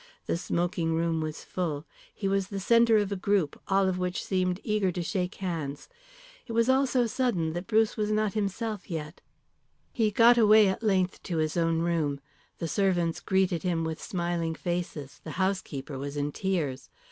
The smoking room was full, he was the centre of a group, all of which seemed eager to shake hands. It was all so sudden that Bruce was not himself yet. He got away at length to his own room. The servants greeted him with smiling faces, the housekeeper was in tears.